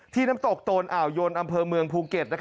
น้ำตกโตนอ่าวยนอำเภอเมืองภูเก็ต